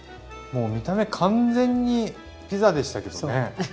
もう見た目完全にピザでしたけどね。